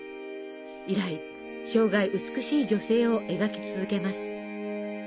以来生涯美しい女性を描き続けます。